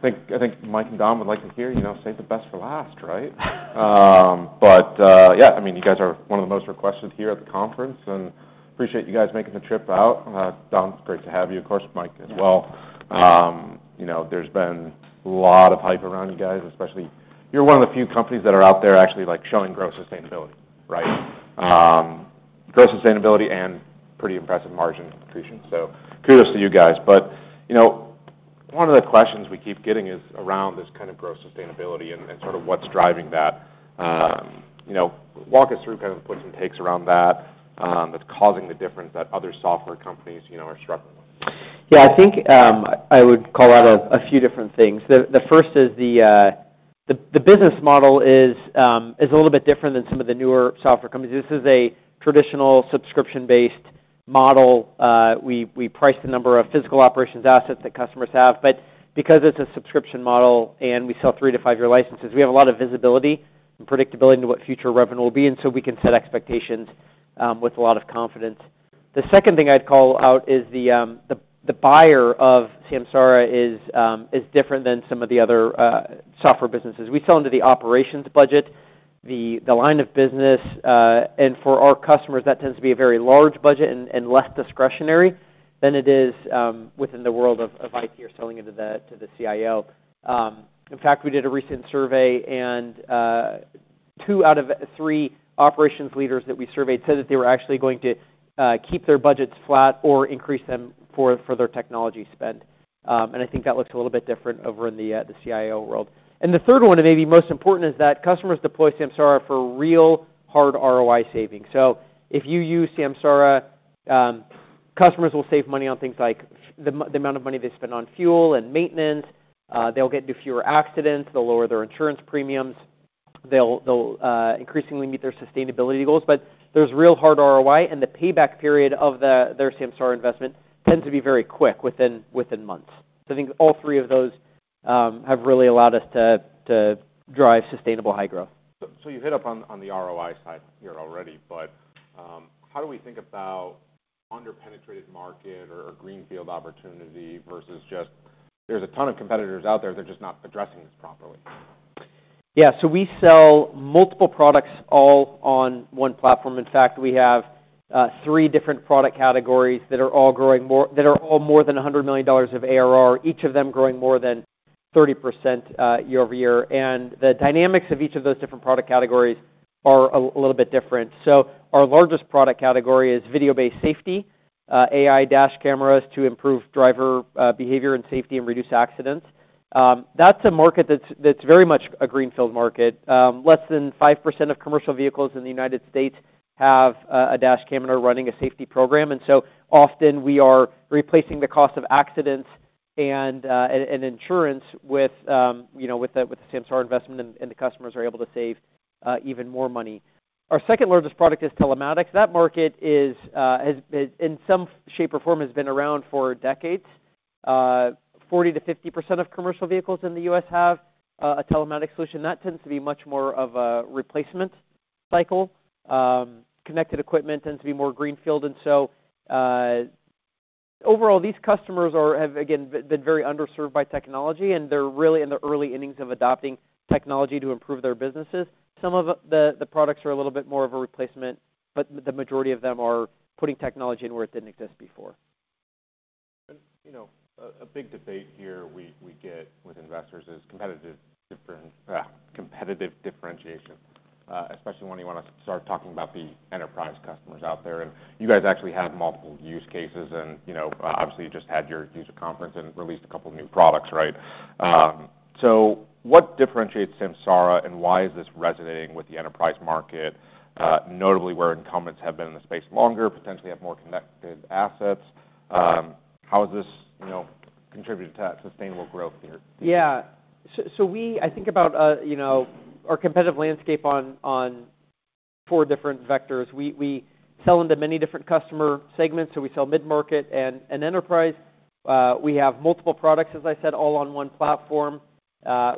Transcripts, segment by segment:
I think Mike and Dom would like to hear, you know, save the best for last, right? But, yeah, I mean, you guys are one of the most requested here at the conference, and appreciate you guys making the trip out. Dom, it's great to have you, of course, Mike, as well. You know, there's been a lot of hype around you guys, especially you're one of the few companies that are out there actually, like, showing gross sustainability, right? Gross sustainability and pretty impressive margin accretion. So kudos to you guys. But, you know, one of the questions we keep getting is around this kind of gross sustainability and, and sort of what's driving that. You know, walk us through kind of the puts and takes around that, that's causing the difference that other software companies, you know, are struggling with. Yeah, I think, I would call out a few different things. The first is the business model is a little bit different than some of the newer software companies. This is a traditional subscription-based model. We price the number of physical operations assets that customers have, but because it's a subscription model and we sell three-five-year licenses, we have a lot of visibility and predictability into what future revenue will be, and so we can set expectations with a lot of confidence. The second thing I'd call out is the buyer of Samsara is different than some of the other software businesses. We sell into the operations budget, the line of business, and for our customers, that tends to be a very large budget and less discretionary than it is within the world of IT or selling into the CIO. In fact, we did a recent survey, and two out of three operations leaders that we surveyed said that they were actually going to keep their budgets flat or increase them for their technology spend. I think that looks a little bit different over in the CIO world. The third one, and maybe most important, is that customers deploy Samsara for real hard ROI savings. So if you use Samsara, customers will save money on things like the amount of money they spend on fuel and maintenance, they'll get into fewer accidents, they'll lower their insurance premiums, they'll increasingly meet their sustainability goals. But there's real hard ROI, and the payback period of their Samsara investment tends to be very quick, within months. So I think all three of those have really allowed us to drive sustainable high growth. So, you hit up on the ROI side here already, but how do we think about underpenetrated market or a greenfield opportunity versus just there's a ton of competitors out there, they're just not addressing this properly? Yeah. So we sell multiple products all on one platform. In fact, we have three different product categories that are all more than $100 million of ARR, each of them growing more than 30%, year-over-year. And the dynamics of each of those different product categories are a little bit different. So our largest product category is Video-Based Safety, AI Dash Cameras to improve driver behavior and safety and reduce accidents. That's a market that's very much a greenfield market. Less than 5% of commercial vehicles in the United States have a dash cam and are running a safety program, and so often we are replacing the cost of accidents and insurance with, you know, with the Samsara investment, and the customers are able to save even more money. Our second largest product is telematics. That market has, in some shape or form, been around for decades. Forty to 50% of commercial vehicles in the US have a telematics solution. That tends to be much more of a replacement cycle. Connected equipment tends to be more greenfield, and so overall, these customers have again been very underserved by technology, and they're really in the early innings of adopting technology to improve their businesses. Some of the products are a little bit more of a replacement, but the majority of them are putting technology in where it didn't exist before. And, you know, a big debate here we get with investors is competitive differentiation, especially when you want to start talking about the enterprise customers out there. And you guys actually have multiple use cases and, you know, obviously, you just had your user conference and released a couple of new products, right? So what differentiates Samsara and why is this resonating with the enterprise market, notably where incumbents have been in the space longer, potentially have more connected assets? How is this, you know, contributing to that sustainable growth here? Yeah. So I think about, you know, our competitive landscape on four different vectors. We sell into many different customer segments, so we sell mid-market and enterprise. We have multiple products, as I said, all on one platform.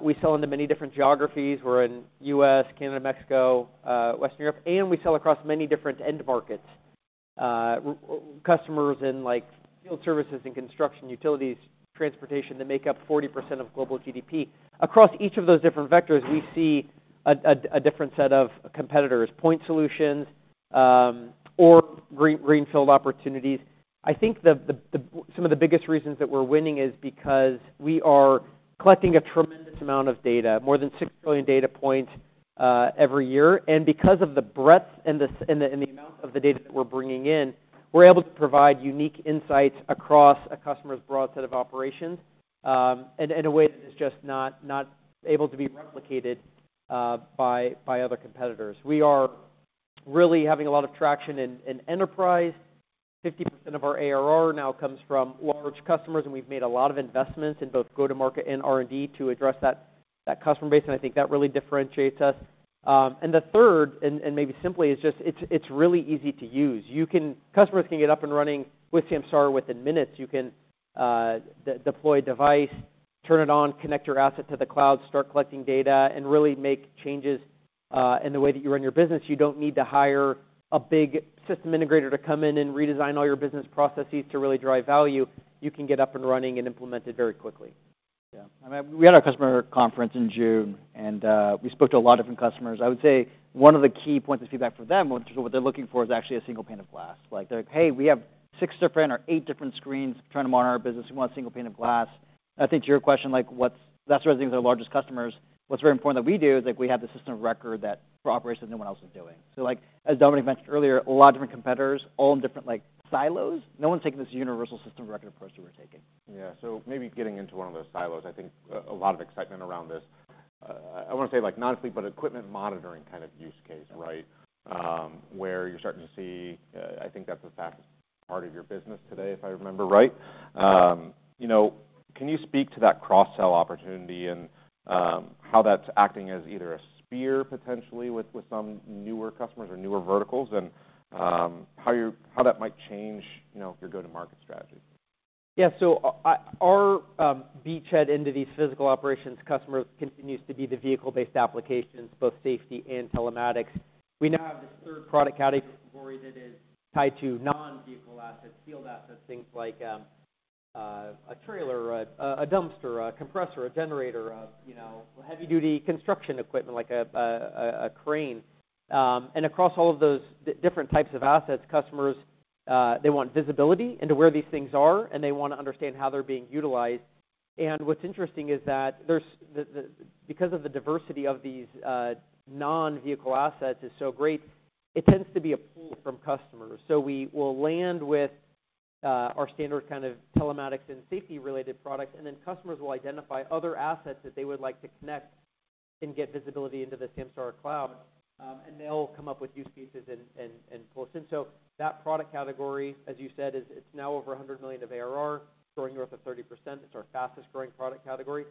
We sell into many different geographies. We're in U.S., Canada, Mexico, Western Europe, and we sell across many different end markets. Customers in, like, field services and construction, utilities, transportation, that make up 40% of global GDP. Across each of those different vectors, we see a different set of competitors, point solutions, or greenfield opportunities. I think some of the biggest reasons that we're winning is because we are collecting a tremendous amount of data, more than 6 billion data points, every year. And because of the breadth and the amount of the data that we're bringing in, we're able to provide unique insights across a customer's broad set of operations, and in a way that is just not able to be replicated by other competitors. We are really having a lot of traction in enterprise. 50% of our ARR now comes from large customers, and we've made a lot of investments in both go-to-market and R&D to address that customer base, and I think that really differentiates us. And the third and maybe simply is just it's really easy to use. Customers can get up and running with Samsara within minutes. You can deploy a device, turn it on, connect your asset to the cloud, start collecting data, and really make changes... The way that you run your business, you don't need to hire a big system integrator to come in and redesign all your business processes to really drive value. You can get up and running and implement it very quickly. Yeah. I mean, we had our customer conference in June, and we spoke to a lot of different customers. I would say one of the key points of feedback for them, which is what they're looking for, is actually a single pane of glass. Like, they're, "Hey, we have six different or eight different screens trying to monitor our business. We want a single pane of glass." I think to your question, like, what's—that's why I think our largest customers, what's very important that we do, is like we have the system of record that for operations, no one else is doing. So like, as Dominic mentioned earlier, a lot of different competitors, all in different, like, silos. No one's taking this universal system of record approach that we're taking. Yeah. So maybe getting into one of those silos, I think, a lot of excitement around this. I want to say, like, not a fleet, but equipment monitoring kind of use case, right? Where you're starting to see, I think that's a fact part of your business today, if I remember right. You know, can you speak to that cross-sell opportunity and, how that's acting as either a spear, potentially, with, with some newer customers or newer verticals, and, how you're- how that might change, you know, your go-to-market strategy? Yeah, so, our beachhead into these physical operations customers continues to be the vehicle-based applications, both safety and telematics. We now have this third product category that is tied to non-vehicle assets, field assets, things like a trailer, a dumpster, a compressor, a generator, you know, heavy-duty construction equipment, like a crane. And across all of those different types of assets, customers they want visibility into where these things are, and they want to understand how they're being utilized. And what's interesting is that because of the diversity of these non-vehicle assets is so great, it tends to be a pull from customers. So we will land with our standard kind of telematics and safety-related products, and then customers will identify other assets that they would like to connect and get visibility into the Samsara cloud, and they'll come up with use cases and pull us in. So that product category, as you said, is, it's now over $100 million of ARR, growing north of 30%. It's our fastest-growing product category,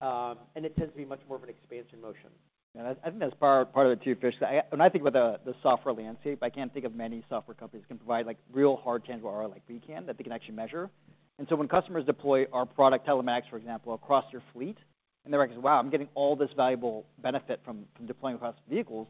and it tends to be much more of an expansion motion. And I think that's part of the thesis. When I think about the software landscape, I can't think of many software companies can provide, like, real hard tangible ROI like we can, that they can actually measure. And so when customers deploy our product, Telematics, for example, across their fleet, and they're like: "Wow, I'm getting all this valuable benefit from deploying across vehicles,"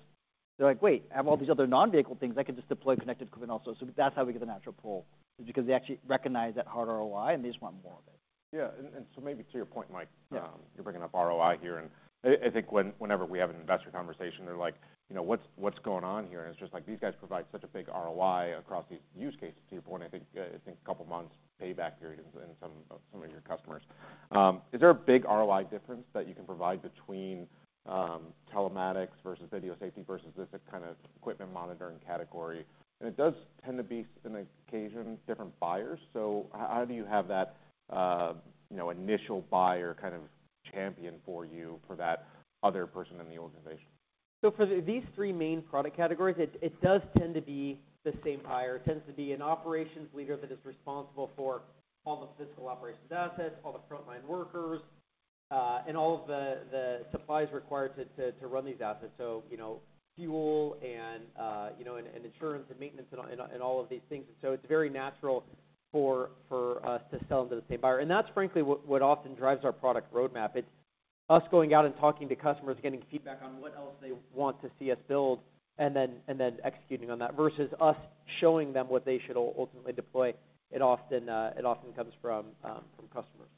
they're like: "Wait, I have all these other non-vehicle things. I could just deploy Connected Equipment also." So that's how we get the natural pull, is because they actually recognize that hard ROI, and they just want more of it. Yeah, and so maybe to your point, Mike- Yeah. You're bringing up ROI here, and I think whenever we have an investor conversation, they're like, "You know, what's going on here?" And it's just like, these guys provide such a big ROI across these use cases. To your point, I think a couple of months' payback periods in some of your customers. Is there a big ROI difference that you can provide between telematics versus video safety versus this kind of equipment monitoring category? And it does tend to be, in occasion, different buyers, so how do you have that, you know, initial buyer kind of champion for you for that other person in the organization? So for these three main product categories, it does tend to be the same buyer. It tends to be an operations leader that is responsible for all the physical operations assets, all the frontline workers, and all of the supplies required to run these assets. So, you know, fuel and, you know, and insurance and maintenance and all of these things. So it's very natural for us to sell them to the same buyer. And that's frankly, what often drives our product roadmap. It's us going out and talking to customers, getting feedback on what else they want to see us build, and then executing on that, versus us showing them what they should ultimately deploy. It often comes from customers.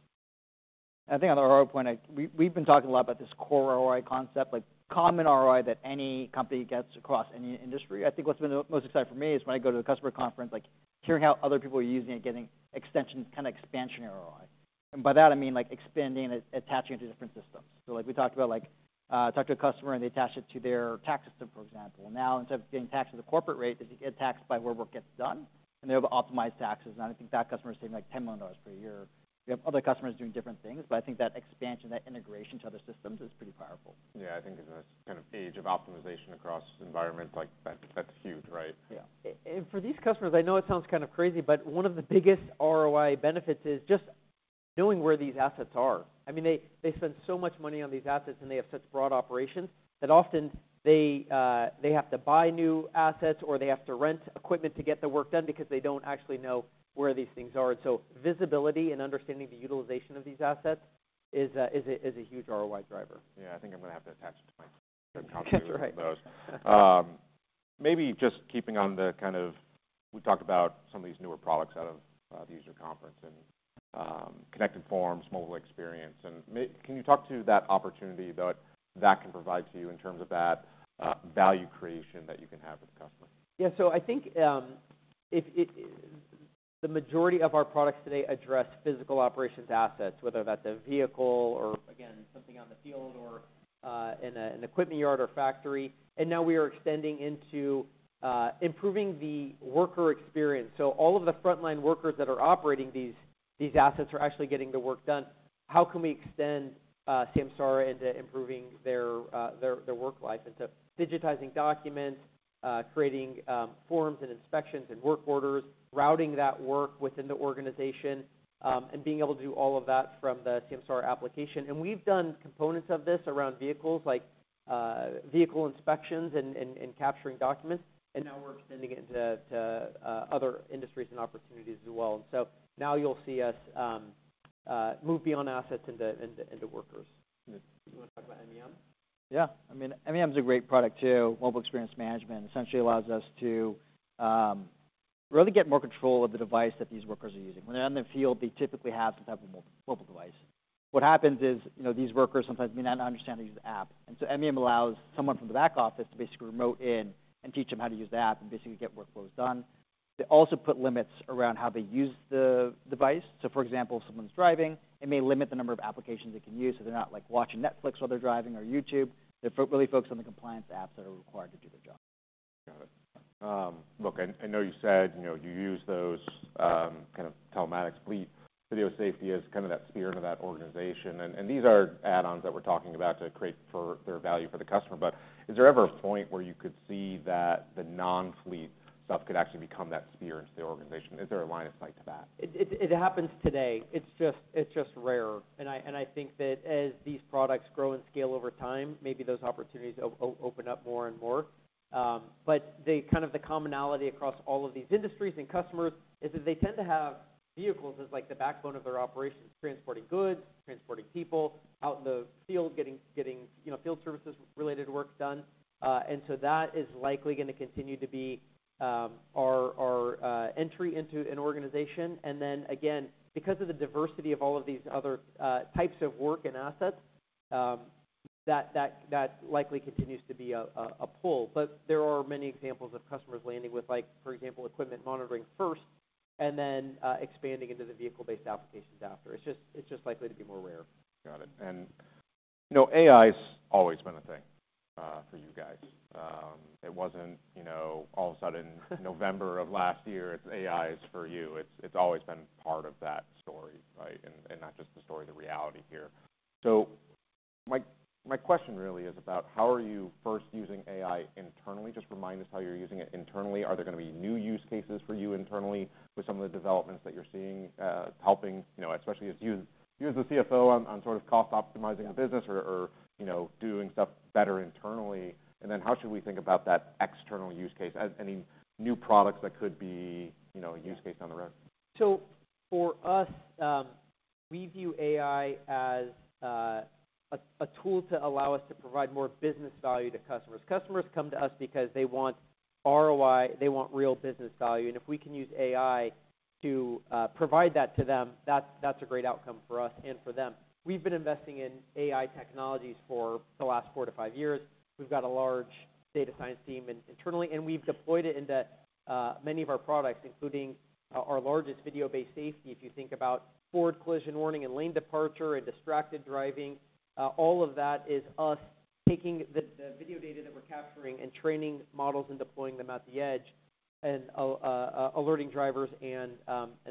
I think on the ROI point, like we've been talking a lot about this core ROI concept, like common ROI that any company gets across any industry. I think what's been the most exciting for me is when I go to the customer conference, like hearing how other people are using it, getting extension, kind of expansion ROI. And by that, I mean, like expanding it, attaching it to different systems. So like we talked about, like, talked to a customer, and they attached it to their tax system, for example. Now, instead of getting taxed at the corporate rate, they get taxed by where work gets done, and they're able to optimize taxes, and I think that customer is saving, like, $10 million per year. We have other customers doing different things, but I think that expansion, that integration to other systems is pretty powerful. Yeah, I think in this kind of age of optimization across environments like that, that's huge, right? Yeah. And for these customers, I know it sounds kind of crazy, but one of the biggest ROI benefits is just knowing where these assets are. I mean, they, they spend so much money on these assets, and they have such broad operations, that often they, they have to buy new assets, or they have to rent equipment to get the work done because they don't actually know where these things are. And so visibility and understanding the utilization of these assets is a, is a, is a huge ROI driver. Yeah, I think I'm going to have to attach it to my- Right. Maybe just keeping on the kind of... We talked about some of these newer products out of the user conference and Connected Forms, Mobile Experience, and can you talk to that opportunity that that can provide to you in terms of that value creation that you can have with the customer? Yeah. So I think it, the majority of our products today address physical operations assets, whether that's a vehicle or, again, something on the field or in an equipment yard or factory. And now we are extending into improving the worker experience. So all of the frontline workers that are operating these assets are actually getting the work done. How can we extend Samsara into improving their work life, into digitizing documents, creating forms and inspections and work orders, routing that work within the organization, and being able to do all of that from the Samsara application? And we've done components of this around vehicles, like vehicle inspections and capturing documents, and now we're extending it into other industries and opportunities as well. And so now you'll see us.... move beyond assets into workers. You want to talk about MEM? Yeah. I mean, MEM is a great product, too. Mobile Experience Management essentially allows us to really get more control of the device that these workers are using. When they're out in the field, they typically have some type of mobile device. What happens is, you know, these workers sometimes may not understand how to use the app, and so MEM allows someone from the back office to basically remote in and teach them how to use the app and basically get workflows done. They also put limits around how they use the device. So for example, if someone's driving, it may limit the number of applications they can use, so they're not, like, watching Netflix while they're driving, or YouTube. They really focus on the compliance apps that are required to do their job. Got it. Look, I know you said, you know, you use those kind of telematics, fleet video safety as kind of that spear into that organization, and these are add-ons that we're talking about to create for their value for the customer. But is there ever a point where you could see that the non-fleet stuff could actually become that spear into the organization? Is there a line of sight to that? It happens today. It's just rarer, and I think that as these products grow and scale over time, maybe those opportunities open up more and more. But the kind of the commonality across all of these industries and customers is that they tend to have vehicles as, like, the backbone of their operations, transporting goods, transporting people out in the field, getting, you know, field services related work done. And so that is likely gonna continue to be our entry into an organization. And then again, because of the diversity of all of these other types of work and assets, that likely continues to be a pull. But there are many examples of customers landing with like, for example, equipment monitoring first and then, expanding into the vehicle-based applications after. It's just, it's just likely to be more rare. Got it. And, you know, AI's always been a thing for you guys. It wasn't, you know, all of a sudden November of last year, it's AIs for you. It's always been part of that story, right? And not just the story, the reality here. So my question really is about how are you first using AI internally? Just remind us how you're using it internally. Are there gonna be new use cases for you internally with some of the developments that you're seeing, helping, you know, especially as you as the CFO on sort of cost optimizing the business or, you know, doing stuff better internally? And then how should we think about that external use case as any new products that could be, you know, a use case down the road? So for us, we view AI as a tool to allow us to provide more business value to customers. Customers come to us because they want ROI, they want real business value, and if we can use AI to provide that to them, that's a great outcome for us and for them. We've been investing in AI technologies for the last four-five years. We've got a large data science team internally, and we've deployed it into many of our products, including our largest Video-Based Safety. If you think about Forward Collision Warning, and Lane Departure, and distracted driving, all of that is us taking the video data that we're capturing and training models and deploying them at the edge, and alerting drivers and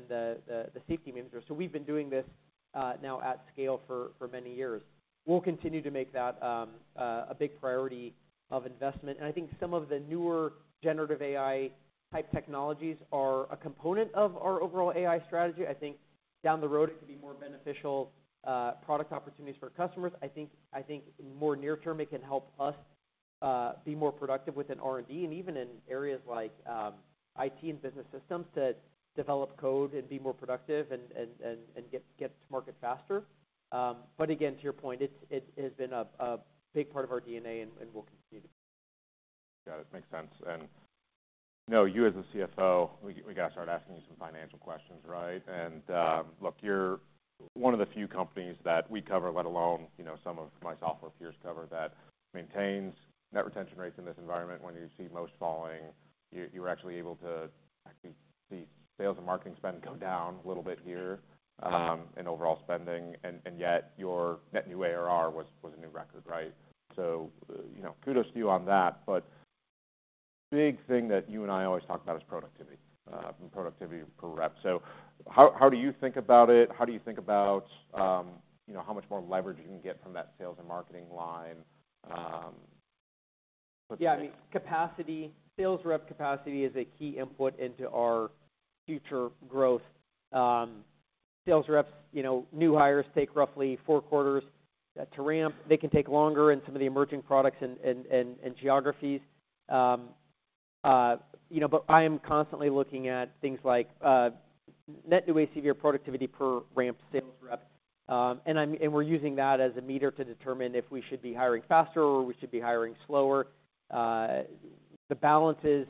the safety managers. So we've been doing this now at scale for many years. We'll continue to make that a big priority of investment, and I think some of the newer generative AI-type technologies are a component of our overall AI strategy. I think down the road, it could be more beneficial product opportunities for customers. I think more near term, it can help us be more productive within R&D and even in areas like IT and business systems, to develop code and be more productive and get to market faster. But again, to your point, it has been a big part of our DNA, and we'll continue to be. Got it. Makes sense. And now you, as the CFO, we, we gotta start asking you some financial questions, right? And, look, you're one of the few companies that we cover, let alone, you know, some of my software peers cover, that maintains net retention rates in this environment. When you see most falling, you, you're actually able to actually see sales and marketing spend go down a little bit here- Uh-huh... and overall spending, and yet your net new ARR was a new record, right? So, you know, kudos to you on that. But big thing that you and I always talk about is productivity, and productivity per rep. So how do you think about it? How do you think about, you know, how much more leverage you can get from that sales and marketing line? Yeah, I mean, capacity, sales rep capacity is a key input into our future growth. Sales reps, you know, new hires take roughly four quarters to ramp. They can take longer in some of the emerging products and geographies. You know, but I am constantly looking at things like net new ACV or productivity per ramped sales rep, and we're using that as a meter to determine if we should be hiring faster or we should be hiring slower. The balance is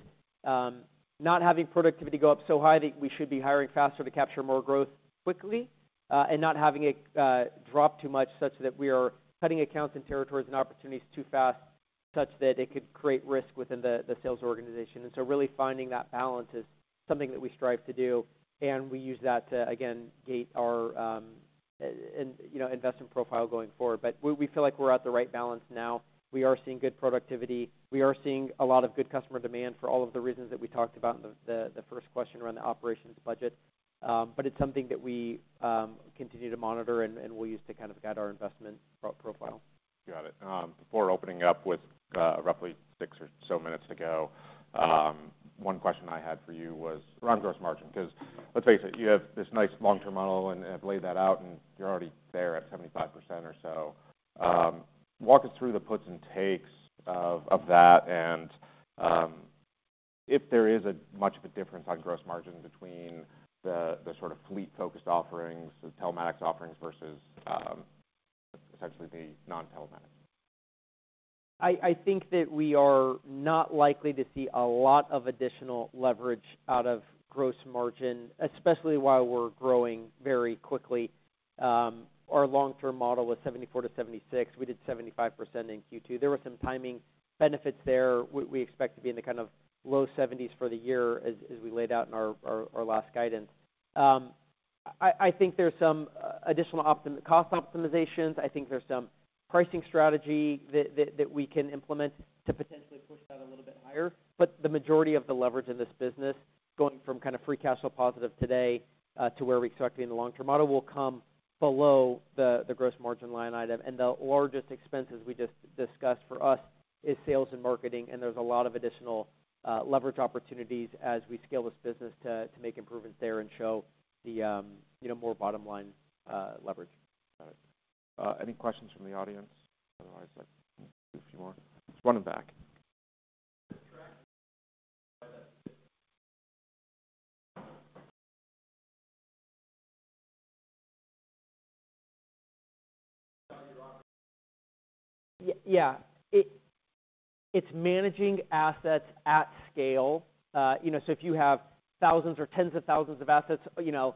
not having productivity go up so high that we should be hiring faster to capture more growth quickly, and not having it drop too much such that we are cutting accounts, and territories, and opportunities too fast, such that it could create risk within the sales organization. And so really finding that balance is something that we strive to do, and we use that to, again, gate our, you know, investment profile going forward. But we feel like we're at the right balance now. We are seeing good productivity. We are seeing a lot of good customer demand for all of the reasons that we talked about in the first question around the operations budget. But it's something that we continue to monitor and we'll use to kind of guide our investment profile. Got it. Before opening up with, roughly six or so minutes to go, one question I had for you was around gross margin. 'Cause let's face it, you have this nice long-term model and, and have laid that out, and you're already there at 75% or so. Walk us through the puts and takes of, of that and, if there is a much of a difference on gross margin between the, the sort of fleet-focused offerings, the telematics offerings, versus, essentially the non-telematics? I think that we are not likely to see a lot of additional leverage out of gross margin, especially while we're growing very quickly. Our long-term model was 74%-76%. We did 75% in Q2. There were some timing benefits there. We expect to be in the kind of low 70s for the year, as we laid out in our last guidance. I think there's some additional cost optimizations. I think there's some pricing strategy that we can implement to potentially push that a little bit higher. But the majority of the leverage in this business, going from kind of free cash flow positive today, to where we expect to be in the long-term model, will come below the gross margin line item. The largest expenses we just discussed for us is sales and marketing, and there's a lot of additional leverage opportunities as we scale this business to make improvements there and show the, you know, more bottom line leverage. Got it. Any questions from the audience? Otherwise, I'd do a few more. Let's run them back. Yeah. It's managing assets at scale. You know, so if you have thousands or tens of thousands of assets, you know,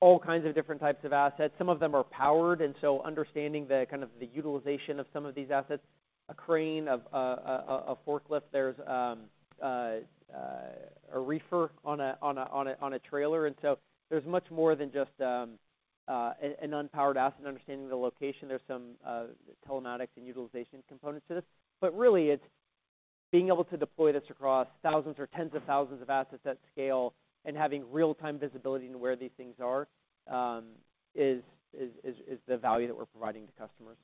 all kinds of different types of assets, some of them are powered, and so understanding the kind of the utilization of some of these assets, a crane, a forklift, there's a reefer on a trailer. And so there's much more than just an unpowered asset, understanding the location. There's some Telematics and utilization components to this. But really, it's being able to deploy this across thousands or tens of thousands of assets at scale, and having real-time visibility into where these things are is the value that we're providing to customers.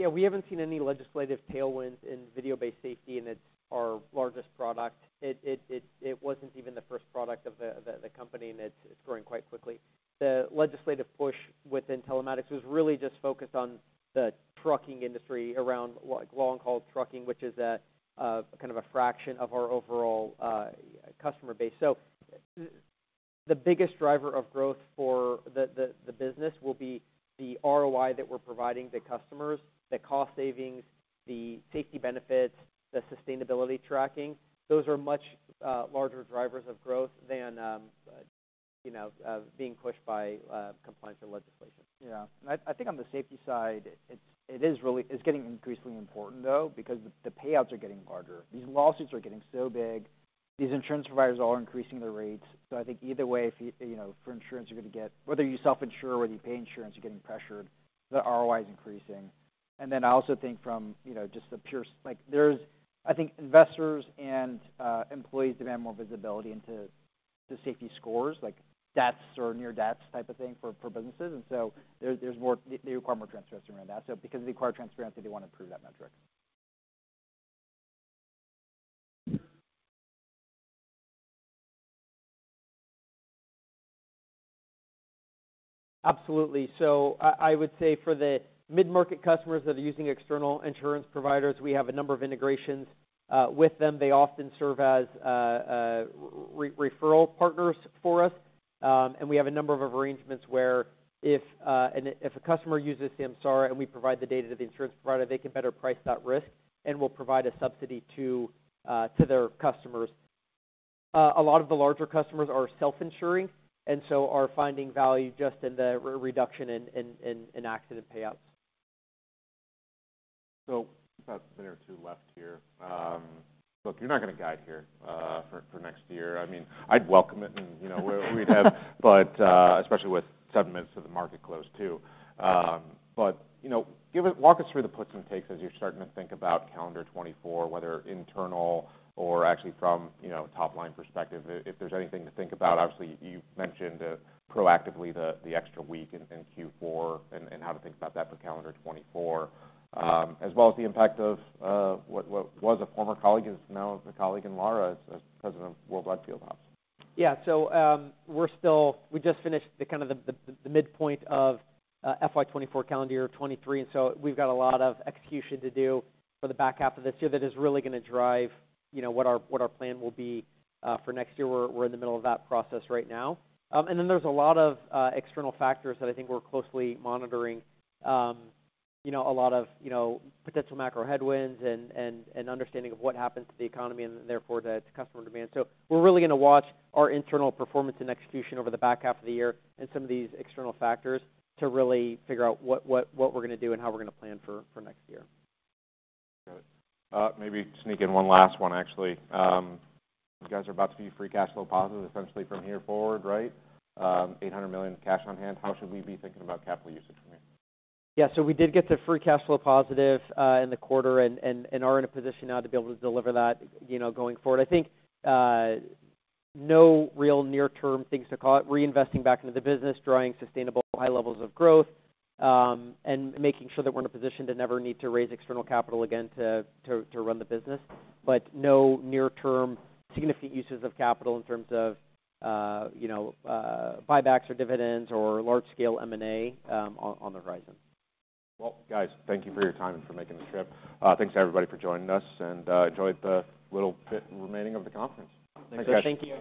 Yeah, we haven't seen any legislative tailwinds in Video-Based Safety, and it's our largest product. It wasn't even the first product of the company, and it's growing quite quickly. The legislative push within telematics was really just focused on the trucking industry, around like long-haul trucking, which is at kind of a fraction of our overall customer base. So the biggest driver of growth for the business will be the ROI that we're providing the customers, the cost savings, the safety benefits, the sustainability tracking. Those are much larger drivers of growth than you know being pushed by compliance and legislation. Yeah. I think on the safety side, it is really, it's getting increasingly important, though, because the payouts are getting larger. These lawsuits are getting so big. These insurance providers are all increasing their rates. So I think either way, if you know, for insurance, you're going to get... Whether you self-insure or whether you pay insurance, you're getting pressured. The ROI is increasing. And then I also think from, you know, just the pure, like, there's, I think, investors and employees demand more visibility into the safety scores, like deaths or near-deaths type of thing, for businesses. And so there's more, they require more transparency around that. So because they require transparency, they want to improve that metric. Absolutely. So I would say for the mid-market customers that are using external insurance providers, we have a number of integrations with them. They often serve as referral partners for us. And we have a number of arrangements where if a customer uses Samsara and we provide the data to the insurance provider, they can better price that risk and will provide a subsidy to their customers. A lot of the larger customers are self-insuring, and so are finding value just in the reduction in accident payouts. So about a minute or two left here. Look, you're not going to guide here for next year. I mean, I'd welcome it and, you know, we'd have... But especially with seven minutes to the market close, too. But you know, walk us through the puts and takes as you're starting to think about calendar 2024, whether internal or actually from, you know, a top-line perspective. If there's anything to think about, obviously, you've mentioned proactively the extra week in Q4 and how to think about that for calendar 2024. As well as the impact of what was a former colleague and is now a colleague in Lara as president of Worldwide Field Ops. Yeah. So, we're still... We just finished the, kind of the midpoint of FY 2024, calendar year 2023, and so we've got a lot of execution to do for the back half of this year that is really going to drive, you know, what our plan will be for next year. We're in the middle of that process right now. And then there's a lot of external factors that I think we're closely monitoring. You know, a lot of potential macro headwinds and understanding of what happens to the economy and therefore, the customer demand. So we're really going to watch our internal performance and execution over the back half of the year and some of these external factors, to really figure out what we're going to do and how we're going to plan for next year. Good. Maybe sneak in one last one, actually. You guys are about to be free cash flow positive, essentially from here forward, right? $800 million cash on hand. How should we be thinking about capital usage from here? Yeah, so we did get to free cash flow positive in the quarter and are in a position now to be able to deliver that, you know, going forward. I think no real near-term things to call it, reinvesting back into the business, driving sustainable high levels of growth, and making sure that we're in a position to never need to raise external capital again to run the business. But no near-term significant uses of capital in terms of, you know, buybacks or dividends or large-scale M&A on the horizon. Well, guys, thank you for your time and for making the trip. Thanks to everybody for joining us, and enjoy the little bit remaining of the conference. Thank you.